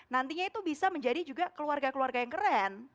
nantinya itu bisa menjadi juga keluarga keluarga yang keren